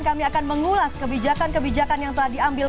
kami akan mengulas kebijakan kebijakan yang telah diambil